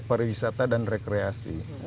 pariwisata dan rekreasi